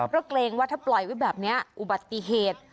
เพราะเกรงว่าถ้าปล่อยไว้แบบนี้อุบัติเหตุ